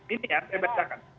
ini ya saya bacakan